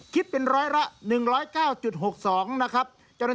คิดเป็นร้อยละ๑๐๙๖๒นะครับ